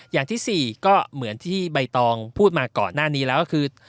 อย่างที่๔ก็เหมือนที่ใบตองพูดมาก่อนหน้านี้แล้วก็คือ